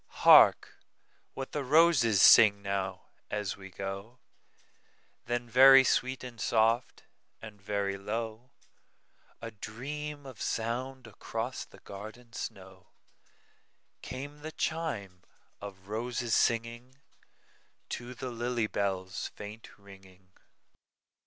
"Hark what the roses sing now, as we go;"Then very sweet and soft, and very low,—A dream of sound across the garden snow,—Came the chime of roses singingTo the lily bell's faint ringing.